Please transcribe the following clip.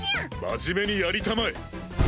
真面目にやりたまえ！